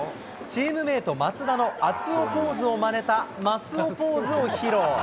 チームメート、松田の熱男ポーズをまねた増男ポーズ披露。